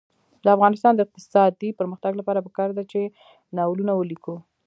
د افغانستان د اقتصادي پرمختګ لپاره پکار ده چې ناولونه ولیکو.